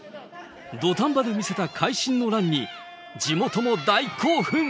土壇場で見せた会心のランに、地元も大興奮。